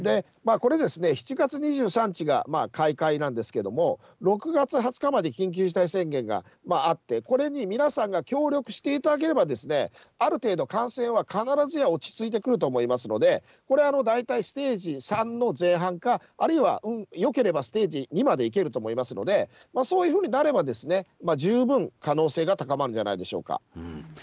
これですね、７月２３日が開会なんですけども、６月２０日まで緊急事態宣言があって、これに皆さんが協力していただければ、ある程度、感染は必ずや落ち着いてくると思いますので、これ、大体ステージ３の前半か、あるいはよければステージ２までいけると思いますので、そういうふうになれば、十分可能性が高まるんではないでしょうか。